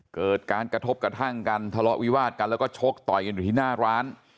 เกิดการกระทบกระทั่งกันทะเลาะวิวาดกันแล้วก็ชกต่อยกันอยู่ที่หน้าร้าน